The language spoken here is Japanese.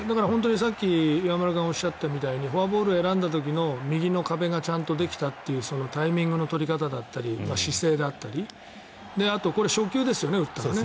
さっき岩村さんがおっしゃったみたいにフォアボールを選んだ時の右の壁がちゃんとできたというタイミングの取り方だったり姿勢だったりあとは初球ですよね、打ったの。